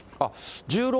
１６